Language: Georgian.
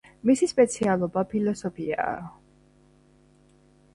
მისი სპეციალობა ფილოსოფიაა.